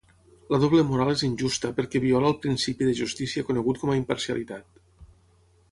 La doble moral és injusta perquè viola el principi de justícia conegut com a imparcialitat.